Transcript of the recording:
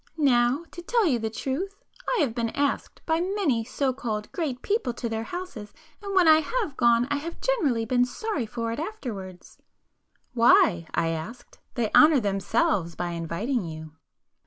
Now, to tell you the truth, I have been asked by many so called 'great' people to their houses, and when I have gone, I have generally been sorry for it afterwards." "Why?" I asked—"They honour themselves by inviting you."